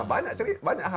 banyak cerita banyak hal